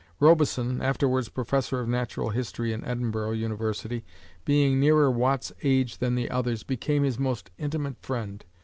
Robison (afterwards Professor of natural history in Edinburgh University), being nearer Watt's age than the others, became his most intimate friend.